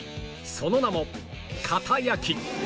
その名もかた焼